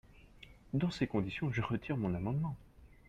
Dans ces conditions, je retire mon amendement.